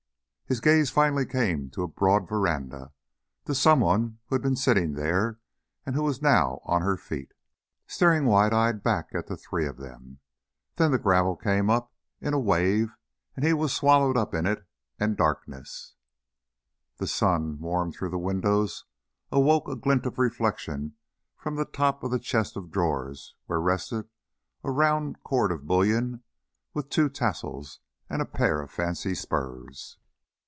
His gaze finally came to a broad veranda ... to someone who had been sitting there and who was now on her feet, staring wide eyed back at the three of them. Then the gravel came up in a wave and he was swallowed up in it and darkness The sun, warm through the window, awoke a glint of reflection from the top of the chest of drawers where rested a round cord of bullion with two tassels and a pair of fancy spurs.